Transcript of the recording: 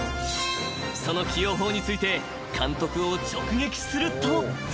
［その起用法について監督を直撃すると］